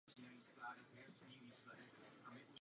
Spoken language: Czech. Pod kaplí se nachází krypta.